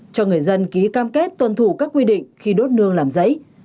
cho người dân ký cam kết tuân thủ các quy định khi đốt nương làm giấy